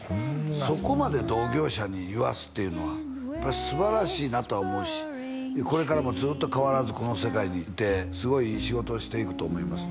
そこまで同業者に言わすっていうのはやっぱすばらしいなと思うしこれからもずっと変わらずこの世界にいてすごいいい仕事をしていくと思いますね